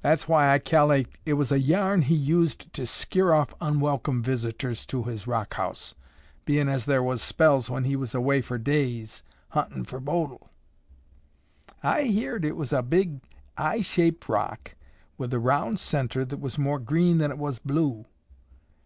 That's why I cal'late it was a yarn he used to skeer off onweloome visitors to his rock house, bein' as thar was spells when he was away fer days, huntin' fer Bodil. "I heerd it was a big eye shaped rock with a round center that was more green than it was blue.